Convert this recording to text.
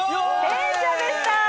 「戦車」でした！